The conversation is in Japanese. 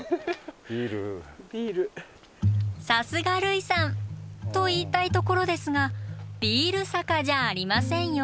さすが類さん！と言いたいところですがビール坂じゃありませんよ。